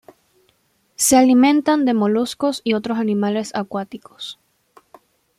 Se alimentan de moluscos y otros animales acuáticos.